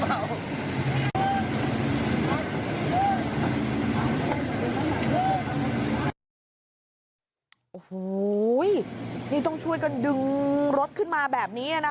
โอ้โหนี่ต้องช่วยกันดึงรถขึ้นมาแบบนี้นะคะ